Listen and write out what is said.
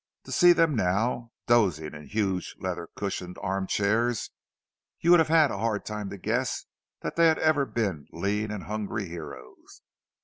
To see them now, dozing in huge leather cushioned arm chairs, you would have had a hard time to guess that they had ever been lean and hungry heroes.